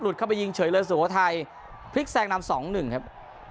หลุดเข้าไปยิงเฉยเลยสวทัยพลิกแซงนำสองหนึ่งครับ